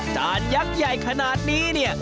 จานยักษ์ใหญ่ขนาดนี้เนี่ย